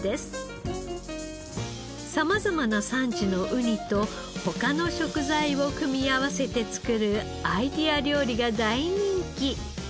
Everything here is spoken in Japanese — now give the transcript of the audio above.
様々な産地のウニと他の食材を組み合わせて作るアイデア料理が大人気。